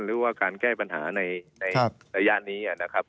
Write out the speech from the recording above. หรือว่าการแก้ปัญหาในระยะนี้นะครับ